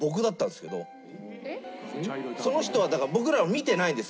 その人はだから僕らを見てないんですよ